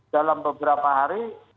dalam beberapa hari